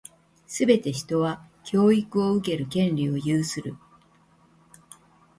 すべて人は、教育を受ける権利を有する。